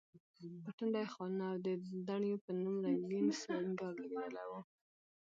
په ټنډه یې خالونه، او د دڼیو په نوم رنګین سینګار لګېدلی و.